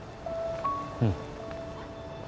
うん。